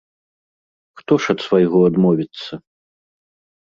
Хто ж ад свайго адмовіцца?